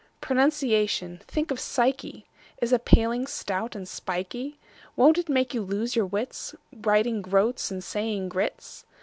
Pronunciation—think of psyche!— Is a paling, stout and spikey; Won't it make you lose your wits, Writing "groats" and saying groats?